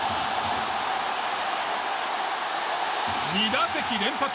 ２打席連発！